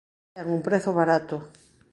Ten un prezo barato.